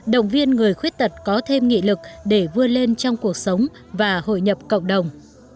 động viên người khuyết tật có thêm nghị lực để vươn lên trong cuộc sống và hội nhập cộng đồng